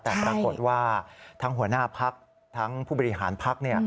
แต่ปรากฏว่าทั้งหัวหน้าพักทั้งผู้บริหารพัก